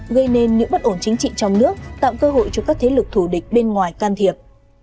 gây nên những bất ổn chính trị trong nước tạo cơ hội cho các thế lực thủ địch bên ngoài can thiệp